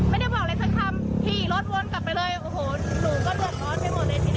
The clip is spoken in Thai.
ไม่ได้บอกอะไรสักคำขี่รถวนกลับไปเลยโอ้โหหนูก็เดือดร้อนไปหมดเลยทีนี้